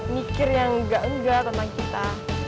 mikir yang enggak enggak tentang kita